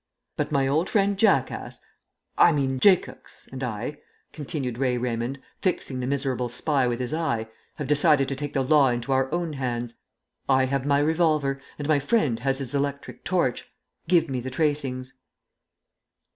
"But my old friend Jacass I mean Jacox and I," continued Ray Raymond, fixing the miserable spy with his eye, "have decided to take the law into our own hands. I have my revolver and my friend has his electric torch. Give me the tracings."